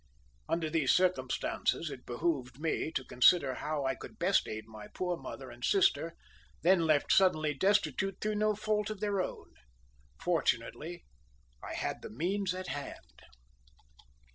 Under these circumstances it behoved me to consider how I could best aid my poor mother and sister, then left suddenly destitute through no fault of their own. Fortunately, I had the means ready at hand.